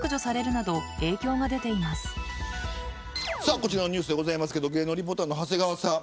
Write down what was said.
こちらのニュースですが芸能リポーターの長谷川さん。